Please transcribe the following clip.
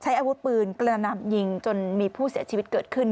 อาวุธปืนกระหน่ำยิงจนมีผู้เสียชีวิตเกิดขึ้น